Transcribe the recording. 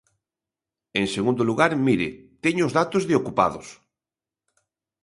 En segundo lugar, mire, teño os datos de ocupados.